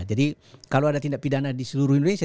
jadi kalau ada tindak pidana di seluruh indonesia